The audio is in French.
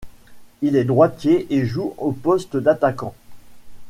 Il est droitier et joue au poste d'attaquant.